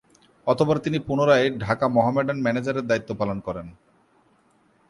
অতঃপর তিনি পুনরায় ঢাকা মোহামেডান ম্যানেজারের দায়িত্ব গ্রহণ করেন।